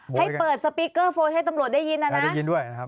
ให้เปิดสปีกเกอร์โฟนให้ตำรวจได้ยินนะนะได้ยินด้วยนะครับ